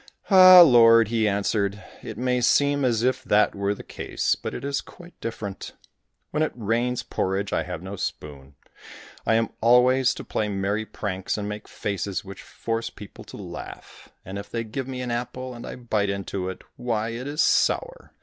"Ah! Lord," he answered, "it may seem as if that were the case, but it is quite different. When it rains porridge I have no spoon. I am always to play merry pranks, and make faces which force people to laugh, and if they give me an apple, and I bite into it, why it is sour!